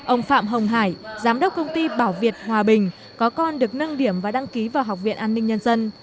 ông phạm hồng hải giám đốc công ty bảo việt hòa bình có con được nâng điểm và đăng ký vào học viện an ninh nhân dân